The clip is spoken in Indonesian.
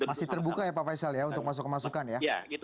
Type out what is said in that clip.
masih terbuka ya pak faisal ya untuk masukan masukan ya